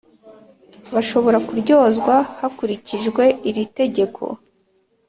Bashobora kuryozwa hakurikijwe iri Tegeko